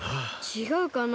ちがうかな。